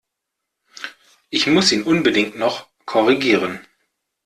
Ich muss ihn unbedingt noch korrigieren!